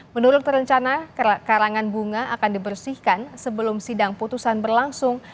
menurut terencana karangan bunga akan dibersihkan sebelum sidang putusan berlangsung